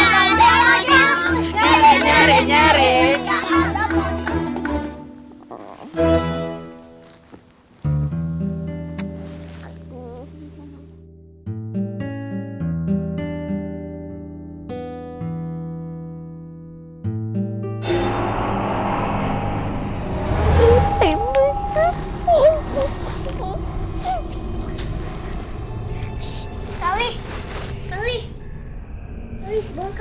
gak ada pocong